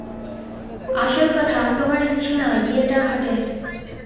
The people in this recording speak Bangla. আসল কথা, তোমার ইচ্ছে নয় বিয়েটা ঘটে।